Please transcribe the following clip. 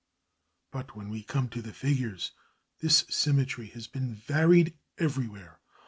But when we come to the figures this symmetry has been varied everywhere.